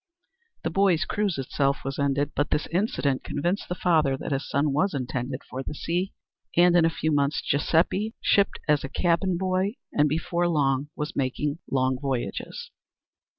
The boy's cruise itself was ended, but this incident convinced the father that his son was intended for the sea, and in a few months Giuseppe shipped as a cabin boy and before long was making long voyages.